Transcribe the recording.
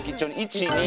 １２。